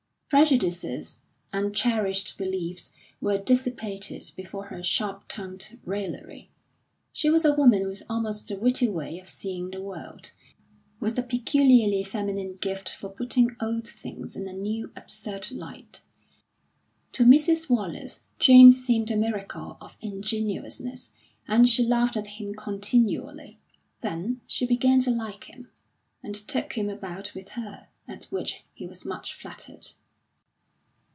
Prejudices and cherished beliefs were dissipated before her sharp tongued raillery; she was a woman with almost a witty way of seeing the world, with a peculiarly feminine gift for putting old things in a new, absurd light. To Mrs. Wallace, James seemed a miracle of ingenuousness, and she laughed at him continually; then she began to like him, and took him about with her, at which he was much flattered.